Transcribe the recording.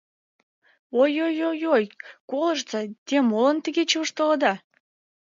— Ой, ой, ой, ой, колыштса, те молан тыге чывыштылыда?